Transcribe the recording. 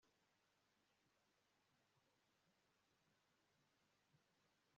ubukagurambaga mu byerekeye iby indege za